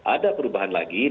ada perubahan lagi